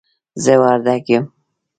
زه وردګ یم